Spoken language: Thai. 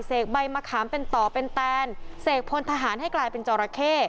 ใบมะขามเป็นต่อเป็นแตนเสกพลทหารให้กลายเป็นจอราเข้